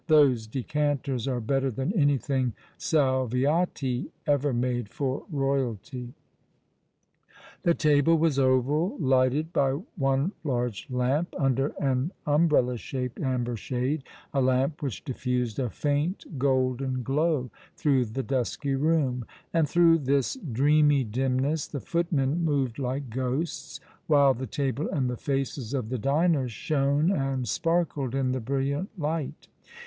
Those decanters are better than anything Salviati ever made for Eoyalty." The table was oval, lighted by one large lamp, under an umbrella shaped amber shade, a lamp which diffused a faint golden glow through the dusky room; and through this dreamy dimness the footmen moved like ghosts, while the table and the faces of the diners shone and sparkled in the brilliant light.